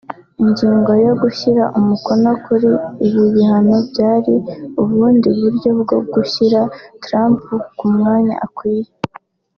Ingingo yo gushyira umukono kuri ibi bihano bwari ubundi buryo bwo gushyira Trump ku mwanya akwiye